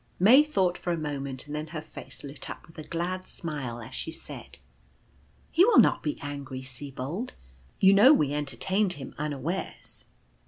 May thought for a moment, and then her face lit up with a glad smile as she said :" He will not be angry, Sibold. You know we enter tained him unawares."